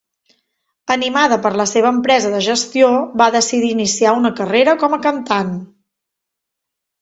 Animada per la seva empresa de gestió, va decidir iniciar una carrera com a cantant.